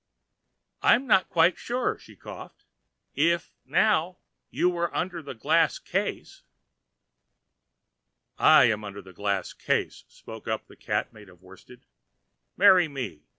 "I am not quite sure," she coughed. "If, now, you were under a glass case." "I am under a glass case," spoke up the Cat made of worsted. "Marry me.